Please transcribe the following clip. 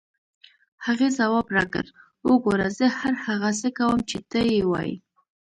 هغې ځواب راکړ: وګوره، زه هر هغه څه کوم چې ته یې وایې.